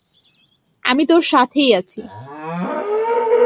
আমি তোর সাথেই আছি।